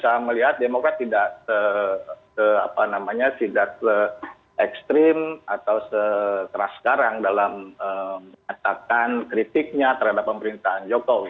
saya melihat demokrat tidak ekstrim atau seterah sekarang dalam mengatakan kritiknya terhadap pemerintahan jokowi